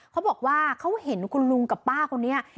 เขาบอกว่าเขาเห็นคุณลุงกับป้าคนนี้